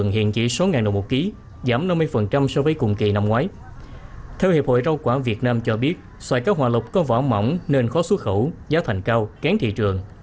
hiệp hội rau quả việt nam cho biết xoài cá hoa lộc có vỏ mỏng nên khó xuất khẩu giá thành cao kén thị trường